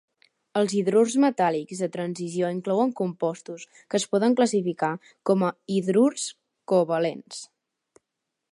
Els hidrurs metàl·lics de transició inclouen compostos que es poden classificar com a "hidrurs covalents".